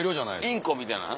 インコみたいな？